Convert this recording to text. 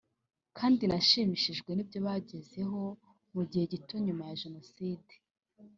kandi nashimishijwe n’ibyo bagezeho mu gihe gito nyuma ya Jenoside